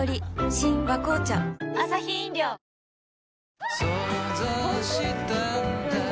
新「和紅茶」想像したんだ